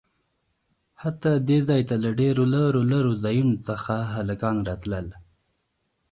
حتا د ځاى ته له ډېرو لرو لرو ځايونه څخه هلکان راتلل.